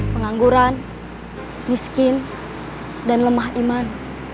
pengangguran miskin dan lemah iman